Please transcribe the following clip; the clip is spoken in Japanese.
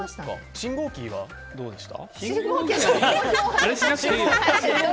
信号機はどうでした？